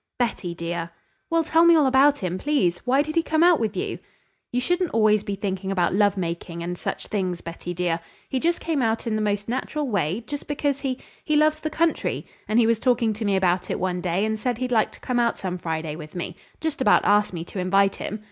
"Betty, dear!" "Well, tell me all about him please! Why did he come out with you?" "You shouldn't always be thinking about love making and such things, Betty, dear. He just came out in the most natural way, just because he he loves the country, and he was talking to me about it one day and said he'd like to come out some Friday with me just about asked me to invite him.